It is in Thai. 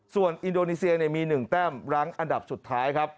ส่วนอินโดนีเซียมี๑แต้มรั้งอันดับสุดท้ายครับ